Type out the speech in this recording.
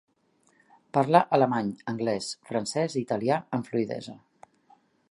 Parla alemany, anglès, francès i italià amb fluïdesa.